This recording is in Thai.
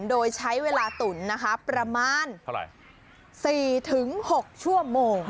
โดยใช้เวลาตุ๋นนะครับประมาณ๔๖ชั่วโมง